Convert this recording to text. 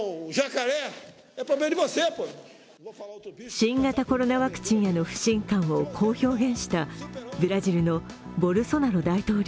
新型コロナワクチンへの不信感を、こう表現したブラジルのボルソナロ大統領。